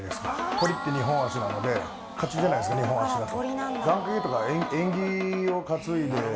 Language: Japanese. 鶏って二本足なので勝ちじゃないですか二本足だと。